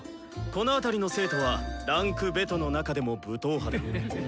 この辺りの生徒は位階「２」の中でも武闘派だ！